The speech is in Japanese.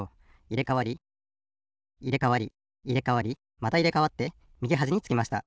いれかわりいれかわりいれかわりまたいれかわってみぎはじにつきました。